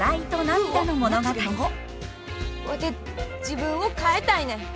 ワテ自分を変えたいねん。